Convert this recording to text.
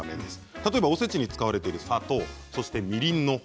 例えばおせちに使われている砂糖、みりんの他